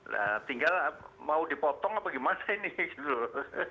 nah tinggal mau dipotong apa gimana ini gitu loh